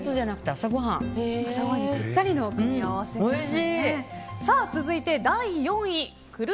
朝ごはんにぴったりの組み合わせですね。